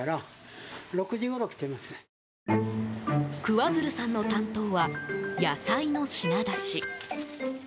桑水流さんの担当は野菜の品出し。